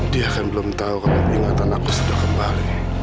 dia kan belum tahu kalau ingatan aku sudah kembali